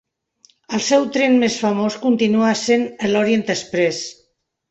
El seu tren més famós continua essent l'Orient-Express.